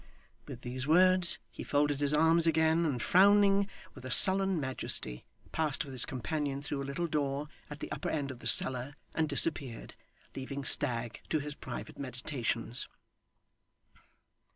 With these words, he folded his arms again; and frowning with a sullen majesty, passed with his companion through a little door at the upper end of the cellar, and disappeared; leaving Stagg to his private meditations.